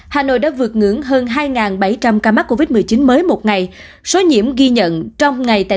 hà nội đã vượt ngưỡng hơn hai bảy trăm linh ca mắc covid một mươi chín mới một ngày số nhiễm ghi nhận trong ngày tại